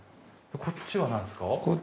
こっちは何ですか？